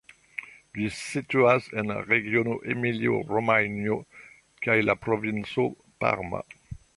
Ĝi situas en la regiono Emilio-Romanjo kaj la provinco Parma.